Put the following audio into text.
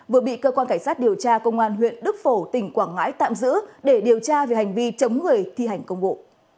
vừa bị cơ quan cảnh sát điều tra công an huyện đức phổ tỉnh quảng ngãi tạm giữ để điều tra về hành vi chống người thi hành công vụ